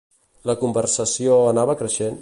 La conversació anava creixent?